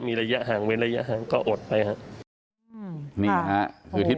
มีระยะห่างเวลาอยากก็อดไป